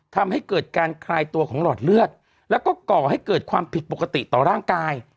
ทำให้เกิดการคลายตัวของหลอดเลือดแล้วก็ก่อให้เกิดความผิดปกติต่อร่างกาย